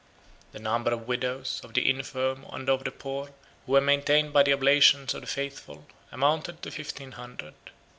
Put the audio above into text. The number of widows, of the infirm, and of the poor, who were maintained by the oblations of the faithful, amounted to fifteen hundred.